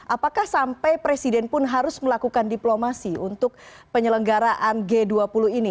apakah sampai presiden pun harus melakukan diplomasi untuk penyelenggaraan g dua puluh ini